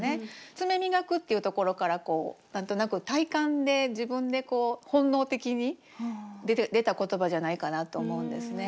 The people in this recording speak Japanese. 「爪磨く」っていうところからこう何となく体感で自分で本能的に出た言葉じゃないかなと思うんですね。